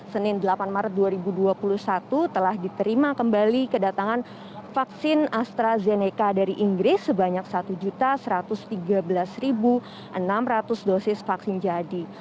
senin delapan maret dua ribu dua puluh satu telah diterima kembali kedatangan vaksin astrazeneca dari inggris sebanyak satu satu ratus tiga belas enam ratus dosis vaksin jadi